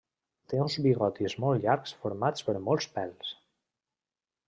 Té uns bigotis molt llargs formats per molts pèls.